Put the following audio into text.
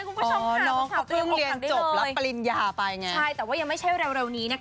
คุณผู้ชมค่ะสาวใบเตยออกมาได้เลยใช่แต่ว่ายังไม่ใช่เร็วนี้นะคะ